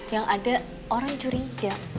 yang ada orang curiga